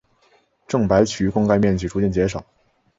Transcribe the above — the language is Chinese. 郑白渠灌溉面积逐渐减少。